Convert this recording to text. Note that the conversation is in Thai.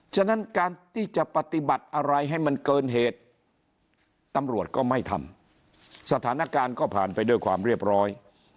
ฉะนั้นการที่จะปฏิบัติอะไรให้มันเกินเหตุตำรวจก็ไม่ทำสถานการณ์ก็ผ่านไปด้วยความเรียบร้อย